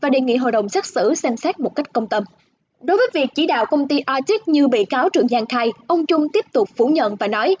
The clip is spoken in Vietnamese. đối với việc chỉ đạo công ty aziz như bị cáo trường giang khai ông trung tiếp tục phủ nhận và nói